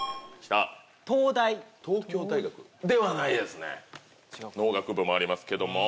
ピンポンではないですね農学部もありますけども。